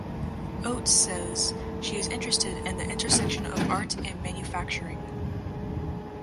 Oates says she is interested in the intersection of art and manufacturing.